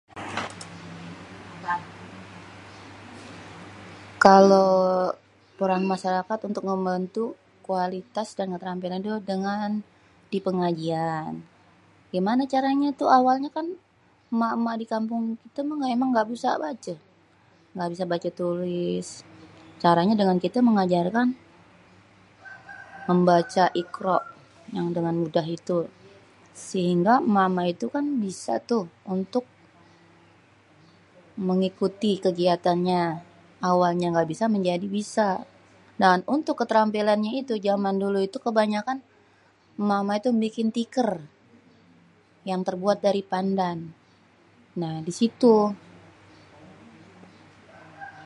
kalo masyarakat untuk membantu kualitas dan keterampilan itu dengan di pengajian, gimanê itu kan awalnyê êma-êma dikampung kitê mah gabisê bacê, gabisa bacê tulis caranyê dengan kitê mengajarkan membaca iqro, yang dengan mudah itu ,sehingga êma-êma itu kan bisa tuh untuk mengikuti kegiatannya, awalnya gabisa menjadi bisa, dan untuk keterampilan itu di jaman dulu itu kebanyakan êma-êma itu bikin tikêr yang terbuat dari pandan, nah di situ.